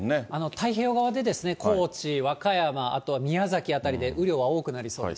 太平洋側で、高知、和歌山、あとは宮崎辺りで雨量は多くなりそうです。